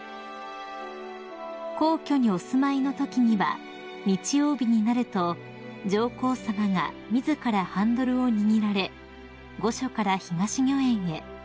［皇居にお住まいのときには日曜日になると上皇さまが自らハンドルを握られ御所から東御苑へ］